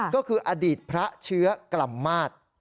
ก็คืออดีตพระเชื้อกล่ำมาตร